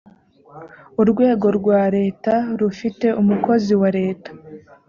urwego rwa leta rufite umukozi wa leta